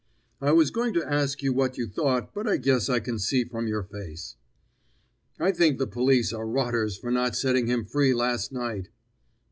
"] "I was going to ask you what you thought, but I guess I can see from your face." "I think the police are rotters for not setting him free last night!"